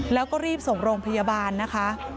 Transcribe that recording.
แล้วก็รีบส่งโรงพยาบาลนะคะ